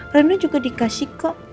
rina juga dikasih kok